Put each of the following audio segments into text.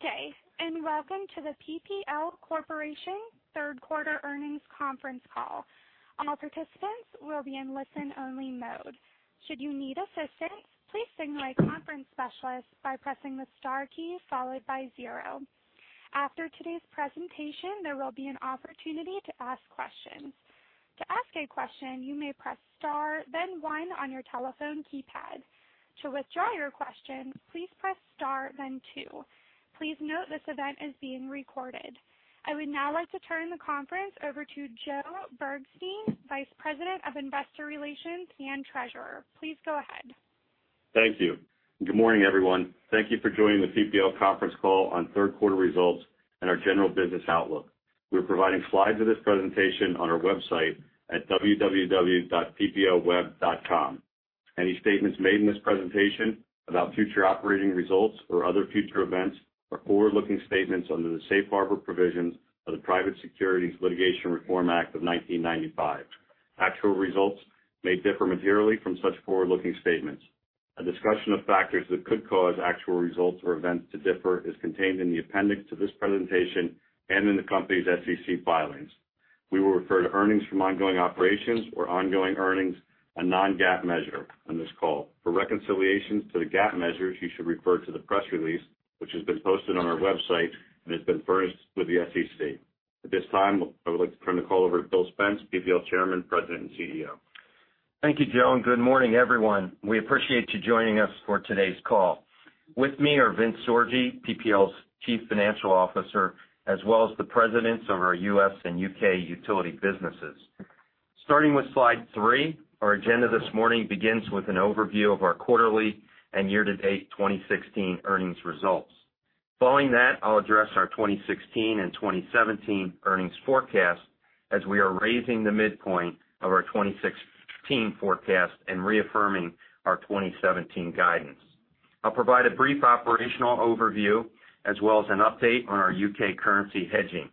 Good day, and welcome to the PPL Corporation third quarter earnings conference call. All participants will be in listen only mode. Should you need assistance, please signal a conference specialist by pressing the star key followed by zero. After today's presentation, there will be an opportunity to ask questions. To ask a question, you may press star, then one on your telephone keypad. To withdraw your question, please press star, then two. Please note this event is being recorded. I would now like to turn the conference over to Joe Bergstein, Vice President of Investor Relations and Treasurer. Please go ahead. Thank you. Good morning, everyone. Thank you for joining the PPL conference call on third quarter results and our general business outlook. We are providing slides of this presentation on our website at www.pplweb.com. Any statements made in this presentation about future operating results or other future events are forward-looking statements under the safe harbor provisions of the Private Securities Litigation Reform Act of 1995. Actual results may differ materially from such forward-looking statements. A discussion of factors that could cause actual results or events to differ is contained in the appendix to this presentation and in the company's SEC filings. We will refer to earnings from ongoing operations or ongoing earnings, a non-GAAP measure on this call. For reconciliations to the GAAP measures, you should refer to the press release, which has been posted on our website and has been filed with the SEC. At this time, I would like to turn the call over to Bill Spence, PPL Chairman, President, and CEO. Thank you, Joe, and good morning, everyone. We appreciate you joining us for today's call. With me are Vince Sorgi, PPL's Chief Financial Officer, as well as the presidents of our U.S. and U.K. utility businesses. Starting with slide three, our agenda this morning begins with an overview of our quarterly and year-to-date 2016 earnings results. Following that, I'll address our 2016 and 2017 earnings forecast as we are raising the midpoint of our 2016 forecast and reaffirming our 2017 guidance. I'll provide a brief operational overview as well as an update on our U.K. currency hedging.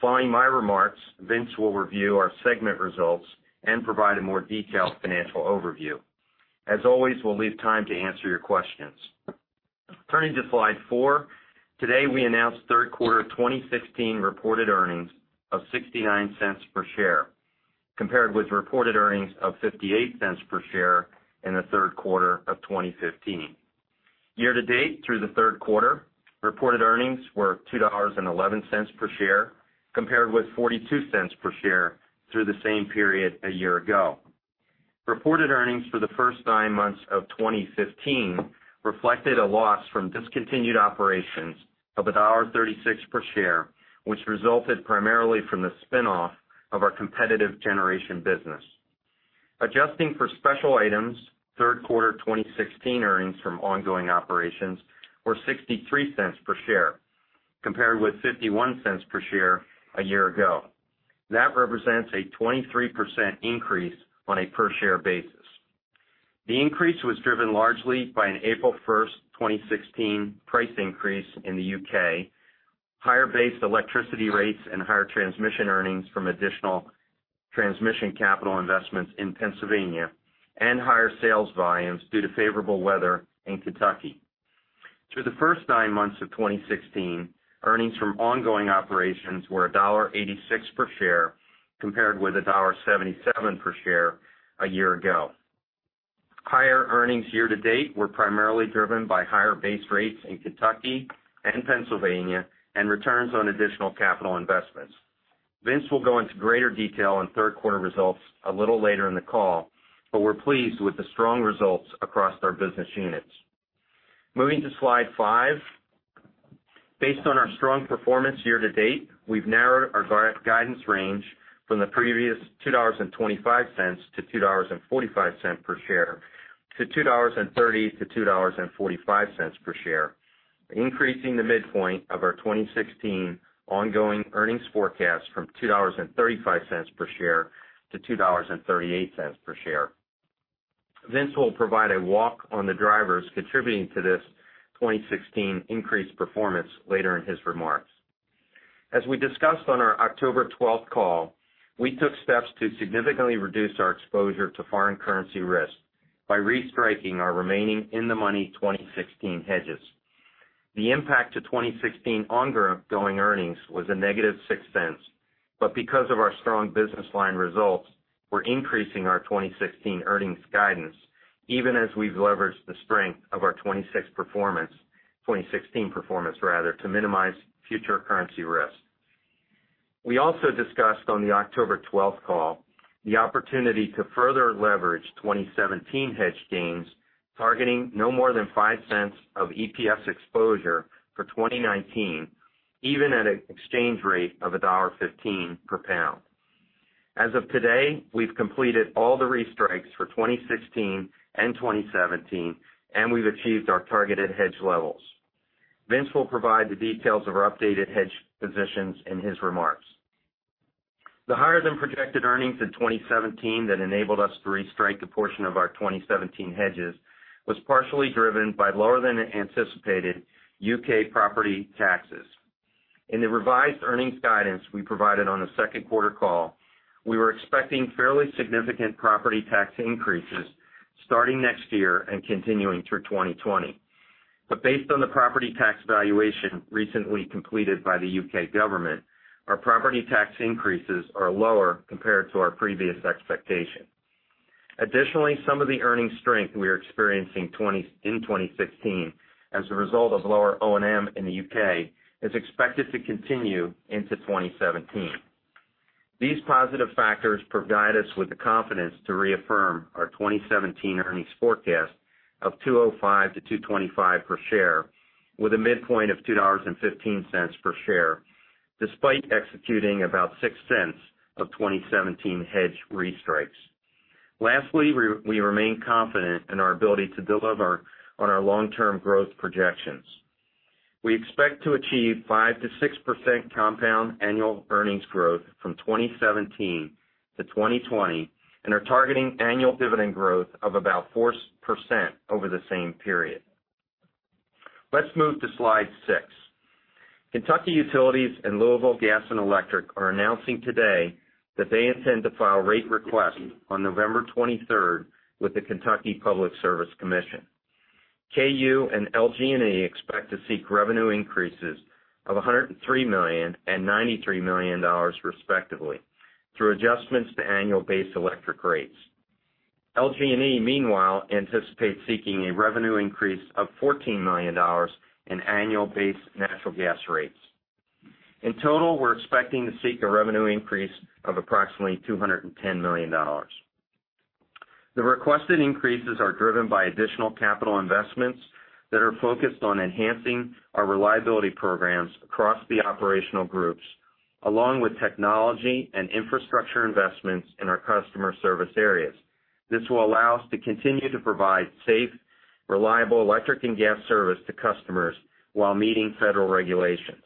Following my remarks, Vince will review our segment results and provide a more detailed financial overview. As always, we'll leave time to answer your questions. Turning to slide four. Today, we announced third quarter 2016 reported earnings of $0.69 per share, compared with reported earnings of $0.58 per share in the third quarter of 2015. Year-to-date through the third quarter, reported earnings were $2.11 per share, compared with $0.42 per share through the same period a year ago. Reported earnings for the first nine months of 2015 reflected a loss from discontinued operations of $1.36 per share, which resulted primarily from the spinoff of our competitive generation business. Adjusting for special items, third quarter 2016 earnings from ongoing operations were $0.63 per share, compared with $0.51 per share a year ago. That represents a 23% increase on a per-share basis. The increase was driven largely by an April 1st, 2016 price increase in the U.K., higher base electricity rates, and higher transmission earnings from additional transmission capital investments in Pennsylvania, and higher sales volumes due to favorable weather in Kentucky. Through the first nine months of 2016, earnings from ongoing operations were $1.86 per share, compared with $1.77 per share a year ago. Higher earnings year-to-date were primarily driven by higher base rates in Kentucky and Pennsylvania and returns on additional capital investments. Vince will go into greater detail on third quarter results a little later in the call, but we're pleased with the strong results across our business units. Moving to slide five. Based on our strong performance year-to-date, we've narrowed our guidance range from the previous $2.25-$2.45 per share to $2.30-$2.45 per share, increasing the midpoint of our 2016 ongoing earnings forecast from $2.35-$2.38 per share. Vince will provide a walk on the drivers contributing to this 2016 increased performance later in his remarks. As we discussed on our October 12th call, we took steps to significantly reduce our exposure to foreign currency risk by restriking our remaining in-the-money 2016 hedges. The impact to 2016 ongoing earnings was a negative $0.06. Because of our strong business line results, we're increasing our 2016 earnings guidance, even as we've leveraged the strength of our 2016 performance to minimize future currency risk. We also discussed on the October 12th call the opportunity to further leverage 2017 hedge gains, targeting no more than $0.05 of EPS exposure for 2019, even at an exchange rate of $1.15 per GBP. As of today, we've completed all the restrikes for 2016 and 2017, and we've achieved our targeted hedge levels. Vince will provide the details of our updated hedge positions in his remarks. The higher than projected earnings in 2017 that enabled us to restrike a portion of our 2017 hedges was partially driven by lower than anticipated U.K. property taxes. In the revised earnings guidance we provided on the second quarter call, we were expecting fairly significant property tax increases starting next year and continuing through 2020. Based on the property tax valuation recently completed by the U.K. government, our property tax increases are lower compared to our previous expectation. Additionally, some of the earnings strength we are experiencing in 2016, as a result of lower O&M in the U.K., is expected to continue into 2017. These positive factors provide us with the confidence to reaffirm our 2017 earnings forecast of $2.05-$2.25 per share, with a midpoint of $2.15 per share, despite executing about $0.06 of 2017 hedge restrikes. Lastly, we remain confident in our ability to deliver on our long-term growth projections. We expect to achieve 5%-6% compound annual earnings growth from 2017 to 2020 and are targeting annual dividend growth of about 4% over the same period. Let's move to slide six. Kentucky Utilities and Louisville Gas & Electric are announcing today that they intend to file rate requests on November 23rd with the Kentucky Public Service Commission. KU and LG&E expect to seek revenue increases of $103 million and $93 million, respectively, through adjustments to annual base electric rates. LG&E, meanwhile, anticipates seeking a revenue increase of $14 million in annual base natural gas rates. In total, we're expecting to seek a revenue increase of approximately $210 million. The requested increases are driven by additional capital investments that are focused on enhancing our reliability programs across the operational groups, along with technology and infrastructure investments in our customer service areas. This will allow us to continue to provide safe, reliable electric and gas service to customers while meeting federal regulations.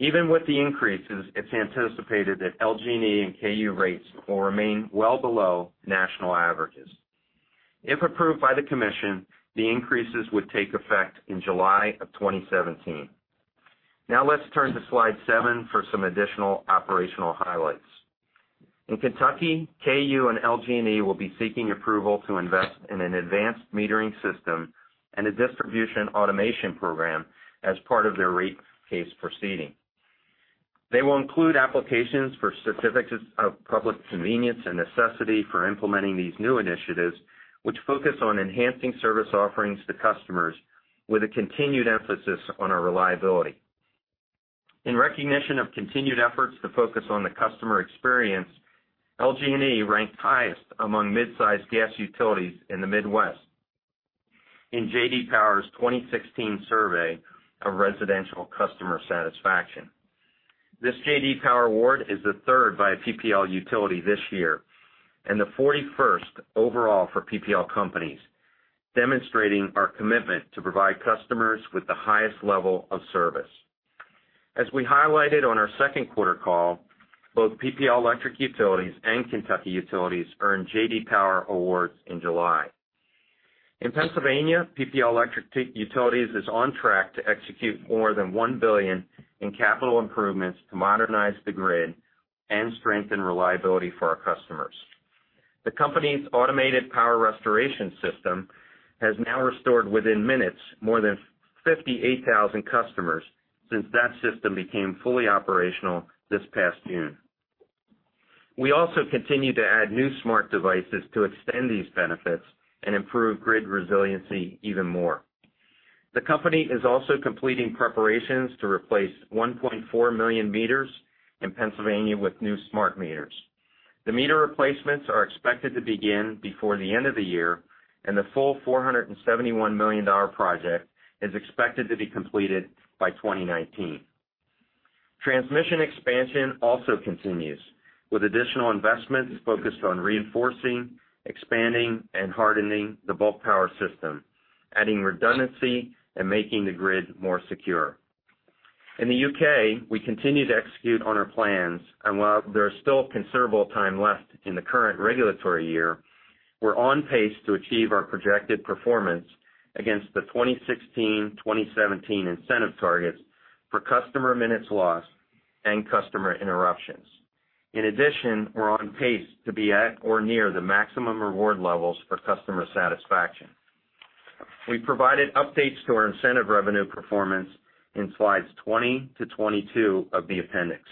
Even with the increases, it's anticipated that LG&E and KU rates will remain well below national averages. If approved by the commission, the increases would take effect in July of 2017. Now let's turn to slide seven for some additional operational highlights. In Kentucky, KU and LG&E will be seeking approval to invest in an advanced metering system and a distribution automation program as part of their rate case proceeding. They will include applications for certificates of public convenience and necessity for implementing these new initiatives, which focus on enhancing service offerings to customers with a continued emphasis on our reliability. In recognition of continued efforts to focus on the customer experience, LG&E ranked highest among mid-sized gas utilities in the Midwest in J.D. Power's 2016 survey of residential customer satisfaction. This J.D. Power Award is the third by a PPL utility this year and the 41st overall for PPL companies, demonstrating our commitment to provide customers with the highest level of service. As we highlighted on our second quarter call, both PPL Electric Utilities and Kentucky Utilities earned J.D. Power Awards in July. In Pennsylvania, PPL Electric Utilities is on track to execute more than $1 billion in capital improvements to modernize the grid and strengthen reliability for our customers. The company's automated power restoration system has now restored within minutes more than 58,000 customers since that system became fully operational this past June. We also continue to add new smart devices to extend these benefits and improve grid resiliency even more. The company is also completing preparations to replace 1.4 million meters in Pennsylvania with new smart meters. The meter replacements are expected to begin before the end of the year, and the full $471 million project is expected to be completed by 2019. Transmission expansion also continues, with additional investments focused on reinforcing, expanding, and hardening the bulk power system, adding redundancy and making the grid more secure. In the U.K., we continue to execute on our plans, and while there is still considerable time left in the current regulatory year, we're on pace to achieve our projected performance against the 2016-2017 incentive targets for customer minutes loss and customer interruptions. In addition, we're on pace to be at or near the maximum reward levels for customer satisfaction. We provided updates to our incentive revenue performance in slides 20 to 22 of the appendix.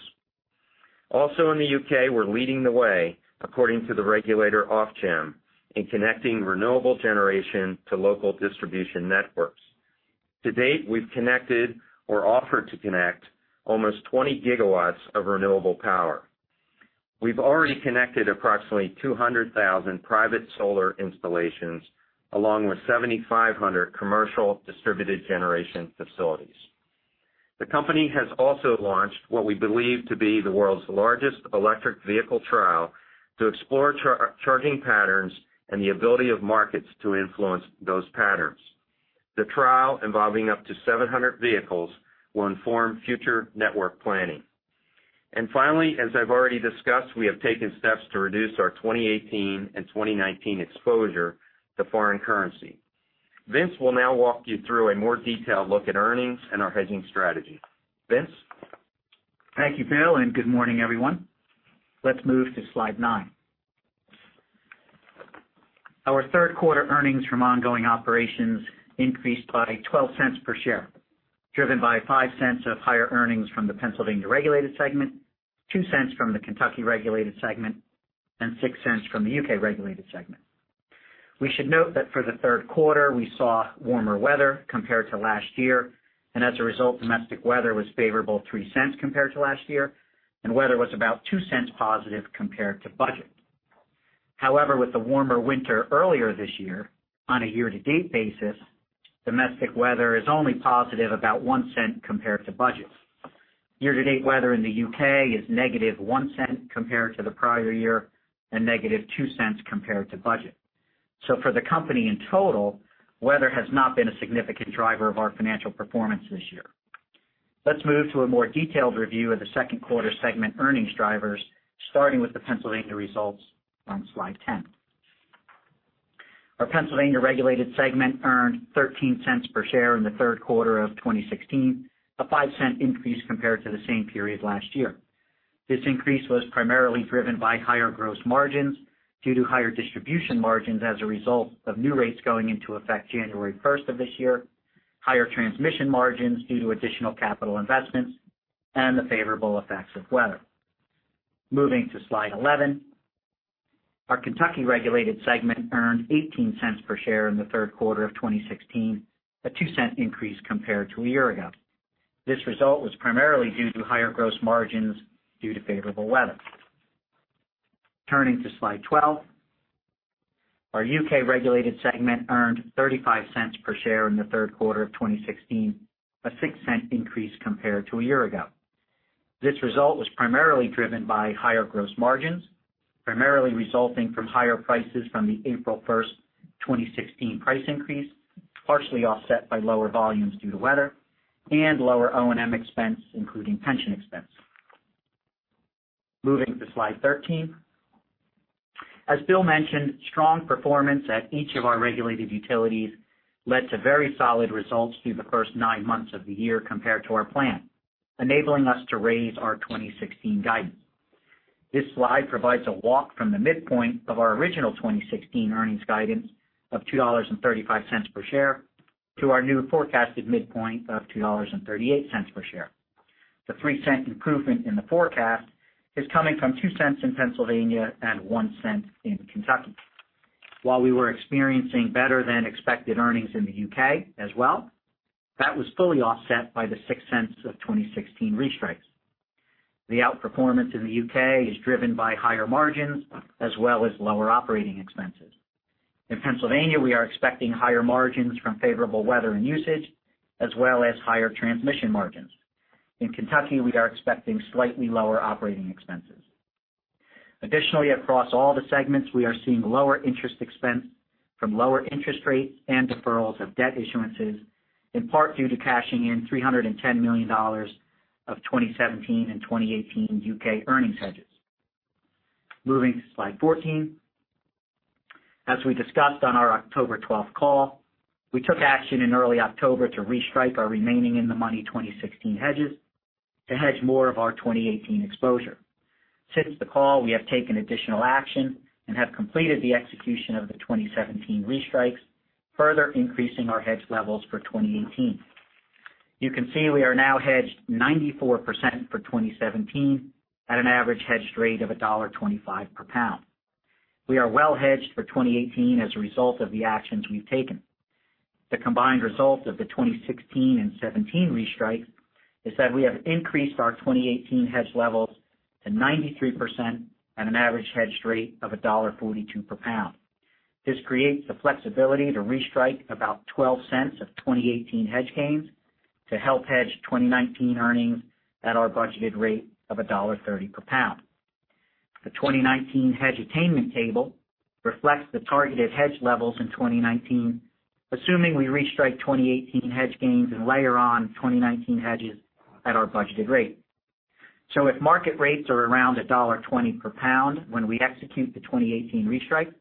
Also in the U.K., we're leading the way, according to the regulator Ofgem, in connecting renewable generation to local distribution networks. To date, we've connected or offered to connect almost 20 gigawatts of renewable power. We've already connected approximately 200,000 private solar installations, along with 7,500 commercial distributed generation facilities. The company has also launched what we believe to be the world's largest electric vehicle trial to explore charging patterns and the ability of markets to influence those patterns. The trial, involving up to 700 vehicles, will inform future network planning. Finally, as I've already discussed, we have taken steps to reduce our 2018 and 2019 exposure to foreign currency. Vince will now walk you through a more detailed look at earnings and our hedging strategy. Vince? Thank you, Bill, and good morning, everyone. Let's move to slide 9. Our third quarter earnings from ongoing operations increased by $0.12 per share, driven by $0.05 of higher earnings from the Pennsylvania regulated segment, $0.02 from the Kentucky regulated segment, and $0.06 from the U.K. regulated segment. We should note that for the third quarter, we saw warmer weather compared to last year, and as a result, domestic weather was favorable $0.03 compared to last year, and weather was about $0.02 positive compared to budget. However, with the warmer winter earlier this year, on a year-to-date basis, domestic weather is only positive about $0.01 compared to budget. Year-to-date weather in the U.K. is negative $0.01 compared to the prior year and negative $0.02 compared to budget. For the company in total, weather has not been a significant driver of our financial performance this year. Let's move to a more detailed review of the second quarter segment earnings drivers, starting with the Pennsylvania results on slide 10. Our Pennsylvania regulated segment earned $0.13 per share in the third quarter of 2016, a $0.05 increase compared to the same period last year. This increase was primarily driven by higher gross margins due to higher distribution margins as a result of new rates going into effect January 1st of this year, higher transmission margins due to additional capital investments, and the favorable effects of weather. Moving to slide 11. Our Kentucky regulated segment earned $0.18 per share in the third quarter of 2016, a $0.02 increase compared to a year ago. This result was primarily due to higher gross margins due to favorable weather. Turning to slide 12. Our U.K. regulated segment earned $0.35 per share in the third quarter of 2016, a $0.06 increase compared to a year ago. This result was primarily driven by higher gross margins, primarily resulting from higher prices from the April 1st, 2016 price increase, partially offset by lower volumes due to weather and lower O&M expense, including pension expense. Moving to slide 13. As Bill mentioned, strong performance at each of our regulated utilities led to very solid results through the first nine months of the year compared to our plan, enabling us to raise our 2016 guidance. This slide provides a walk from the midpoint of our original 2016 earnings guidance of $2.35 per share to our new forecasted midpoint of $2.38 per share. The $0.03 improvement in the forecast is coming from $0.02 in Pennsylvania and $0.01 in Kentucky. While we were experiencing better than expected earnings in the U.K. as well, that was fully offset by the $0.06 of 2016 restrikes. The outperformance in the U.K. is driven by higher margins as well as lower operating expenses. In Pennsylvania, we are expecting higher margins from favorable weather and usage, as well as higher transmission margins. In Kentucky, we are expecting slightly lower operating expenses. Additionally, across all the segments, we are seeing lower interest expense from lower interest rates and deferrals of debt issuances, in part due to cashing in $310 million of 2017 and 2018 U.K. earnings hedges. Moving to slide 14. As we discussed on our October 12th call, we took action in early October to restrike our remaining in-the-money 2016 hedges to hedge more of our 2018 exposure. Since the call, we have taken additional action and have completed the execution of the 2017 restrikes, further increasing our hedge levels for 2018. You can see we are now hedged 94% for 2017 at an average hedge rate of $1.25 per pound. We are well hedged for 2018 as a result of the actions we have taken. The combined results of the 2016 and 2017 restrikes is that we have increased our 2018 hedge levels to 93% at an average hedge rate of $1.42 per pound. This creates the flexibility to restrike about $0.12 of 2018 hedge gains to help hedge 2019 earnings at our budgeted rate of $1.30 per pound. The 2019 hedge attainment table reflects the targeted hedge levels in 2019, assuming we restrike 2018 hedge gains and layer on 2019 hedges at our budgeted rate. If market rates are around $1.20 per pound when we execute the 2018 restrike,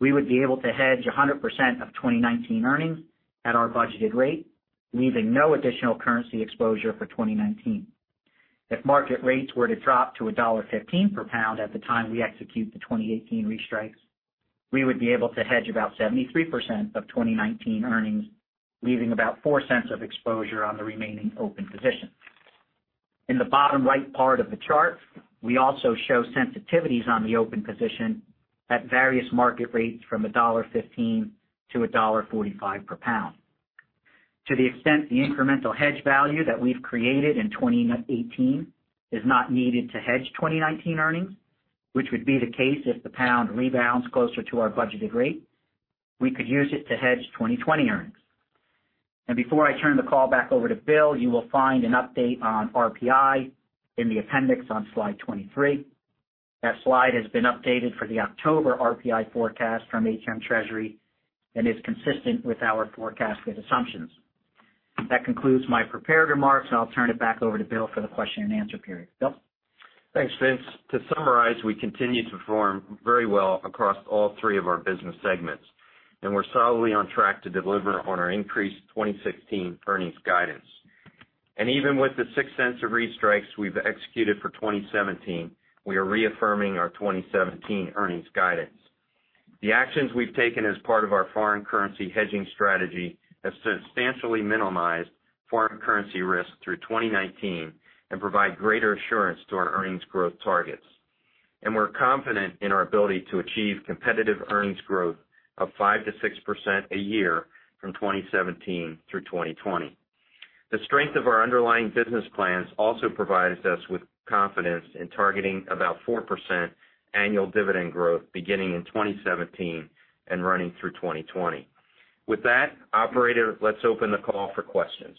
we would be able to hedge 100% of 2019 earnings at our budgeted rate, leaving no additional currency exposure for 2019. If market rates were to drop to $1.15 per pound at the time we execute the 2018 restrikes, we would be able to hedge about 73% of 2019 earnings, leaving about $0.04 of exposure on the remaining open positions. In the bottom right part of the chart, we also show sensitivities on the open position at various market rates from $1.15-$1.45 per pound. To the extent the incremental hedge value that we have created in 2018 is not needed to hedge 2019 earnings, which would be the case if the pound rebounds closer to our budgeted rate, we could use it to hedge 2020 earnings. Before I turn the call back over to Bill, you will find an update on RPI in the appendix on slide 23. That slide has been updated for the October RPI forecast from HM Treasury and is consistent with our forecasted assumptions. That concludes my prepared remarks, I'll turn it back over to Bill for the question and answer period. Bill? Thanks, Vince Sorgi. To summarize, we continue to perform very well across all three of our business segments, we're solidly on track to deliver on our increased 2016 earnings guidance. Even with the $0.06 of restrikes we've executed for 2017, we are reaffirming our 2017 earnings guidance. The actions we've taken as part of our foreign currency hedging strategy have substantially minimized foreign currency risk through 2019 and provide greater assurance to our earnings growth targets. We're confident in our ability to achieve competitive earnings growth of 5%-6% a year from 2017 through 2020. The strength of our underlying business plans also provides us with confidence in targeting about 4% annual dividend growth beginning in 2017 and running through 2020. With that, operator, let's open the call for questions.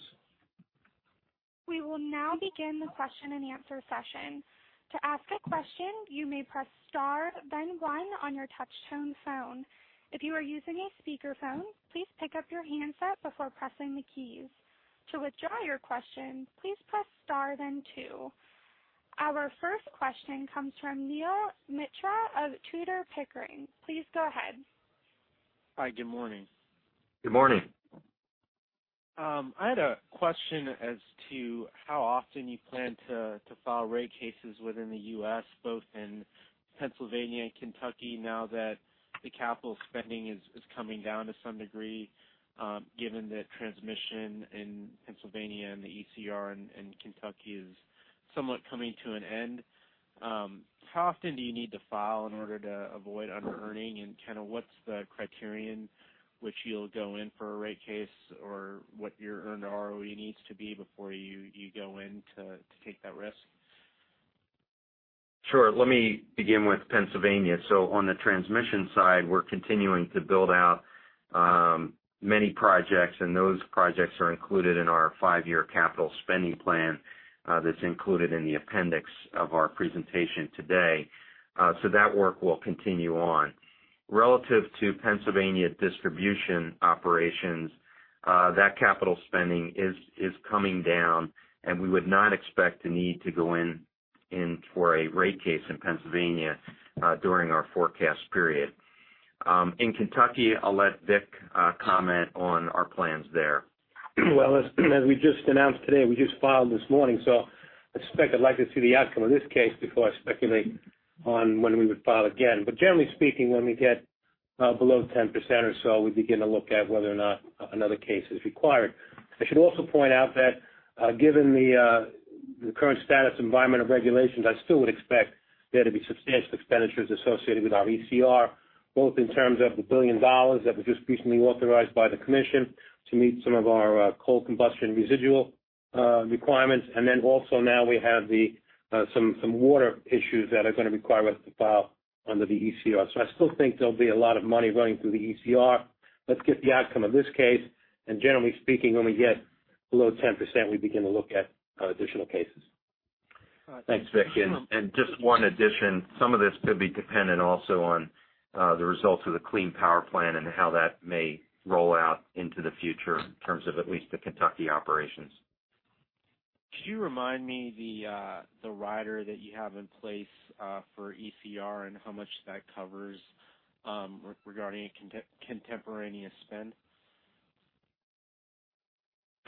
We will now begin the question and answer session. To ask a question, you may press star then one on your touch tone phone. If you are using a speakerphone, please pick up your handset before pressing the keys. To withdraw your question, please press star then two. Our first question comes from Neel Mitra of Tudor, Pickering, Holt & Co. Please go ahead. Hi, good morning. Good morning. I had a question as to how often you plan to file rate cases within the U.S., both in Pennsylvania and Kentucky, now that the capital spending is coming down to some degree, given that transmission in Pennsylvania and the ECR in Kentucky is somewhat coming to an end. How often do you need to file in order to avoid under-earning? What's the criterion which you'll go in for a rate case or what your earned ROE needs to be before you go in to take that risk? Sure. Let me begin with Pennsylvania. On the transmission side, we're continuing to build out many projects, and those projects are included in our five-year capital spending plan that's included in the appendix of our presentation today. That work will continue on. Relative to Pennsylvania distribution operations, that capital spending is coming down, and we would not expect the need to go in for a rate case in Pennsylvania during our forecast period. In Kentucky, I'll let Vic comment on our plans there. As we just announced today, we just filed this morning, I suspect I'd like to see the outcome of this case before I speculate on when we would file again. Generally speaking, when we get below 10% or so, we begin to look at whether or not another case is required. I should also point out that given the current status environment of regulations, I still would expect there to be substantial expenditures associated with our ECR, both in terms of the $1 billion that was just recently authorized by the commission to meet some of our coal combustion residual requirements. Also now we have some water issues that are going to require us to file under the ECR. I still think there'll be a lot of money running through the ECR. Let's get the outcome of this case, generally speaking, when we get below 10%, we begin to look at additional cases. Thanks, Vic. Just one addition, some of this could be dependent also on the results of the Clean Power Plan and how that may roll out into the future in terms of at least the Kentucky operations. Could you remind me the rider that you have in place for ECR and how much that covers regarding contemporaneous spend?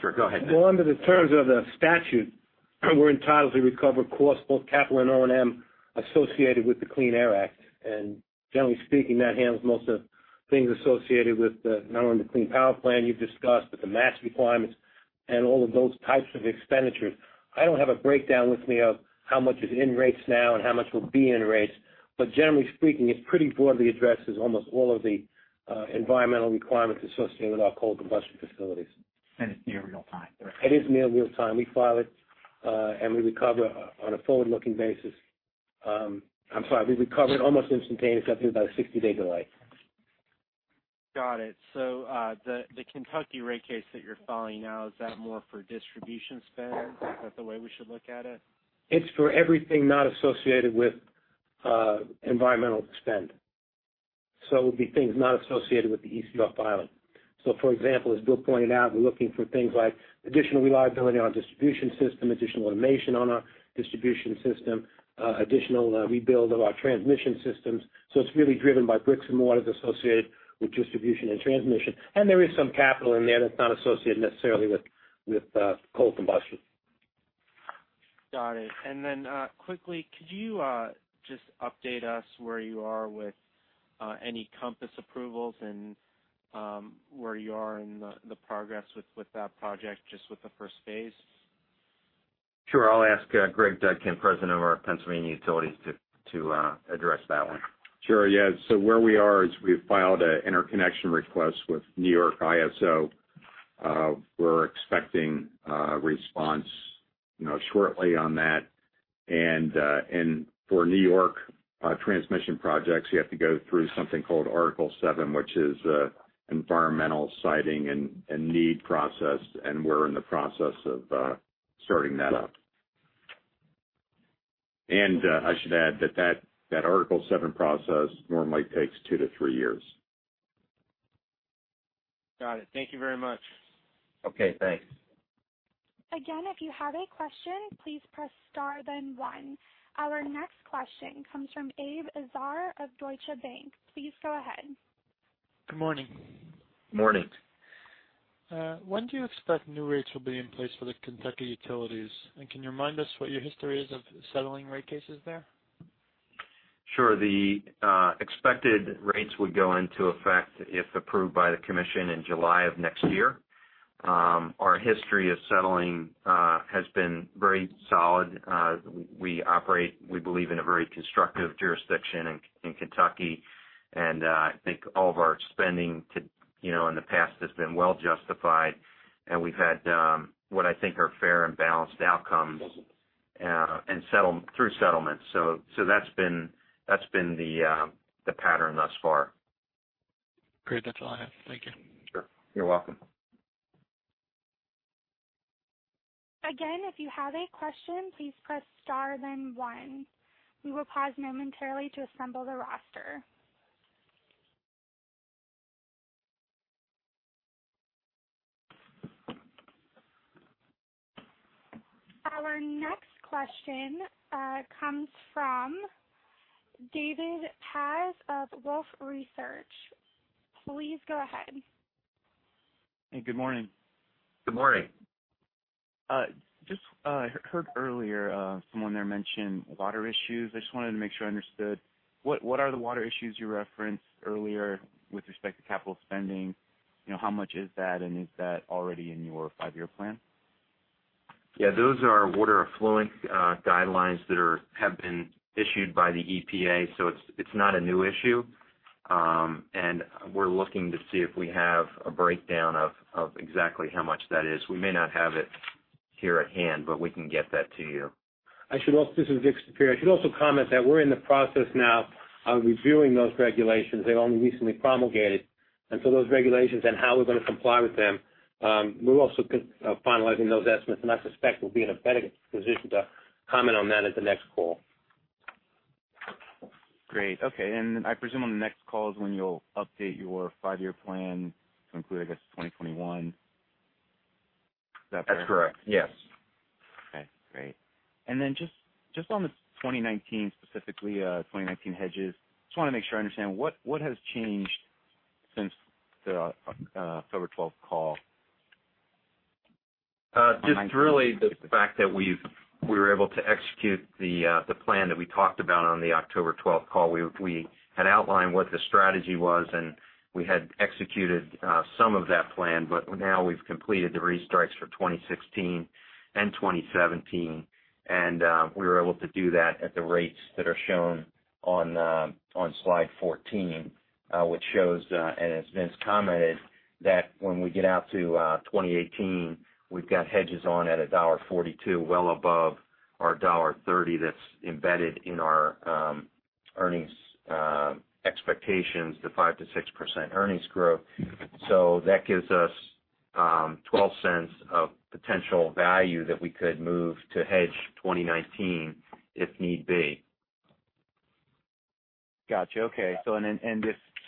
Sure. Go ahead, Vic. Well, under the terms of the statute, we're entitled to recover costs, both capital and O&M, associated with the Clean Air Act. Generally speaking, that handles most of things associated with not only the Clean Power Plan you've discussed, the MATS requirements and all of those types of expenditures. I don't have a breakdown with me of how much is in rates now and how much will be in rates, generally speaking, it pretty broadly addresses almost all of the environmental requirements associated with our coal combustion facilities. It's near real-time, correct? It is near real-time. We file it, we recover on a forward-looking basis. I'm sorry, we recover it almost instantaneously, about a 60-day delay. Got it. The Kentucky rate case that you're filing now, is that more for distribution spend? Is that the way we should look at it? It's for everything not associated with environmental spend. It would be things not associated with the ECR filing. For example, as Bill pointed out, we're looking for things like additional reliability on distribution system, additional automation on our distribution system, additional rebuild of our transmission systems. It's really driven by bricks and mortars associated with distribution and transmission. There is some capital in there that's not associated necessarily with coal combustion. Got it. Quickly, could you just update us where you are with any Compass approvals and where you are in the progress with that project, just with the first phase? Sure. I'll ask Greg Dudkin, President of our Pennsylvania utilities, to address that one. Sure. Yeah. Where we are is we've filed an interconnection request with New York ISO. We're expecting a response shortly on that. For New York transmission projects, you have to go through something called Article 7, which is environmental siting and need process, and we're in the process of starting that up. I should add that Article 7 process normally takes two to three years. Got it. Thank you very much. Okay, thanks. Again, if you have a question, please press star, then one. Our next question comes from Abe Azar of Deutsche Bank. Please go ahead. Good morning. Morning. When do you expect new rates will be in place for the Kentucky Utilities? Can you remind us what your history is of settling rate cases there? Sure. The expected rates would go into effect if approved by the commission in July of next year. Our history of settling has been very solid. We operate, we believe, in a very constructive jurisdiction in Kentucky, and I think all of our spending in the past has been well justified, and we've had what I think are fair and balanced outcomes through settlements. That's been the pattern thus far. Great. That's all I have. Thank you. Sure. You're welcome. Again, if you have a question, please press star then one. We will pause momentarily to assemble the roster. Our next question comes from David Paz of Wolfe Research. Please go ahead. Hey, good morning. Good morning. Just heard earlier, someone there mention water issues. I just wanted to make sure I understood. What are the water issues you referenced earlier with respect to capital spending? How much is that, and is that already in your five-year plan? Yeah, those are water effluent guidelines that have been issued by the EPA, so it is not a new issue. We are looking to see if we have a breakdown of exactly how much that is. We may not have it here at hand, but we can get that to you. This is Vic Staffieri. I should also comment that we are in the process now of reviewing those regulations. They only recently promulgated. Those regulations and how we are going to comply with them, we are also finalizing those estimates, I suspect we will be in a better position to comment on that at the next call. Great. Okay. I presume on the next call is when you will update your five-year plan to include, I guess, 2021. Is that fair? That's correct. Yes. Okay, great. Then just on the 2019, specifically 2019 hedges, just want to make sure I understand what has changed since the October 12th call? Just really the fact that we were able to execute the plan that we talked about on the October 12th call. We had outlined what the strategy was, and we had executed some of that plan. Now we've completed the restrikes for 2016 and 2017, and we were able to do that at the rates that are shown on slide 14, which shows, and as Vince commented, that when we get out to 2018, we've got hedges on at a $1.42, well above our $1.30 that's embedded in our earnings expectations, the 5%-6% earnings growth. That gives us $0.12 of potential value that we could move to hedge 2019 if need be. Got you. Okay.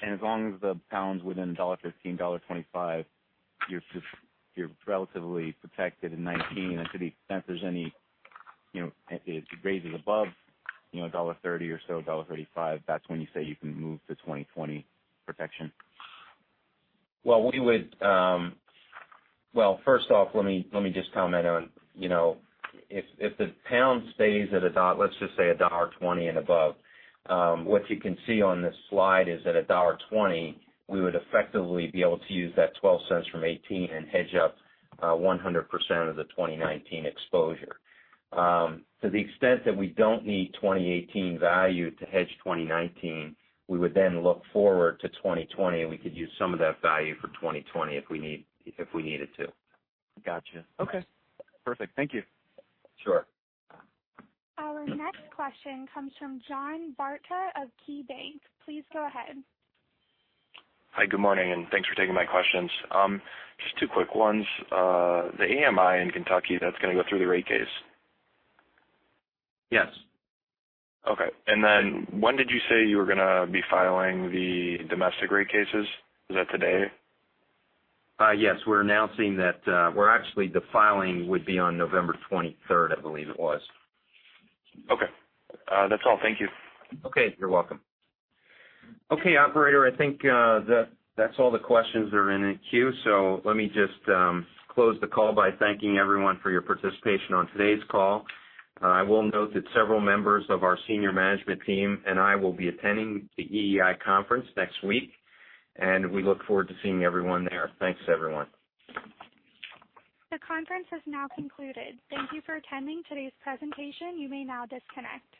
As long as the pound's within $1.15, $1.25, you're relatively protected in 2019. To the extent there's any raises above $1.30 or so, $1.35, that's when you say you can move to 2020 protection? Well, first off, let me just comment on if the pound stays at, let's just say $1.20 and above, what you can see on this slide is at $1.20, we would effectively be able to use that $0.12 from 2018 and hedge up 100% of the 2019 exposure. To the extent that we don't need 2018 value to hedge 2019, we would look forward to 2020, and we could use some of that value for 2020 if we needed to. Gotcha. Okay. Perfect. Thank you. Sure. Our next question comes from John Barta of KeyBanc. Please go ahead. Hi, good morning, and thanks for taking my questions. Just two quick ones. The AMI in Kentucky, that's going to go through the rate case? Yes. Okay. When did you say you were going to be filing the domestic rate cases? Is that today? Yes. We're announcing, well, actually, the filing would be on November 23rd, I believe it was. Okay. That's all. Thank you. Okay. You're welcome. Okay, operator, I think that's all the questions that are in the queue. Let me just close the call by thanking everyone for your participation on today's call. I will note that several members of our senior management team and I will be attending the EEI conference next week, and we look forward to seeing everyone there. Thanks, everyone. The conference has now concluded. Thank you for attending today's presentation. You may now disconnect.